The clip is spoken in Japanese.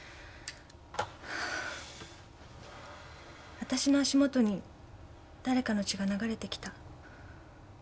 あたしの足元に誰かの血が流れてきた。